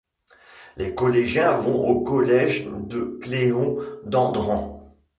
Les collégiens vont au collège de Cléon d'Andran.